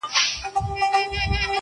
د هستۍ یو نوم اجل بل یې ژوندون ,